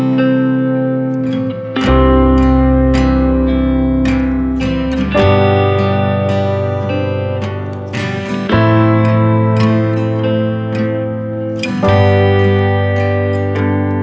dia ada akobat